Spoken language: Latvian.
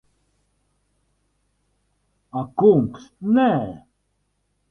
Ak kungs, nē.